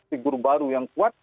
figur baru yang kuat